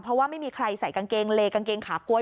เพราะว่าไม่มีใครใส่กางเกงเลกางเกงขาก๊วย